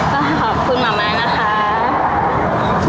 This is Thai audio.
ก็ขอบคุณมะม้านะคะ